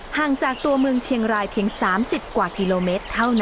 ห่างจากตัวเมืองเชียงรายเพียง๓๐กว่ากิโลเมตรเท่านั้น